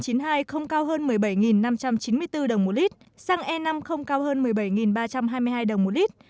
ron chín mươi hai không cao hơn một mươi bảy năm trăm chín mươi bốn đồng một lít xăng e năm không cao hơn một mươi bảy ba trăm hai mươi hai đồng một lít